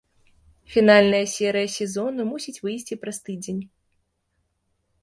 Фінальная серыя сезону мусіць выйсці праз тыдзень.